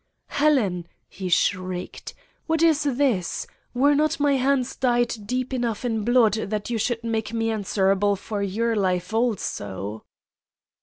"Helen," he shrieked, "what is this? Were not my hands dyed deep enough in blood that you should make me answerable for your life also?"